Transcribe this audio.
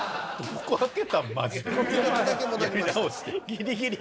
ギリギリ。